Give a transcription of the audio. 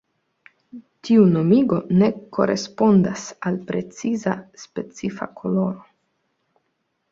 Tiu nomigo ne korespondas al preciza specifa koloro.